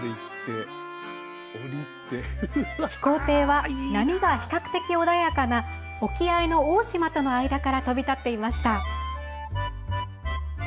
飛行艇は波が比較的穏やかな沖合の大島との間から飛び立っていました。